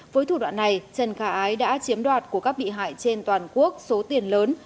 với thủ đoạn này trần khả ái đã chiếm đoạt của các bị hại trên toàn quốc số tiền lớn